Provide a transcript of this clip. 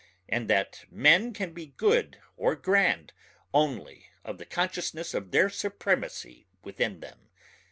and that men can be good or grand only of the consciousness of their supremacy within them.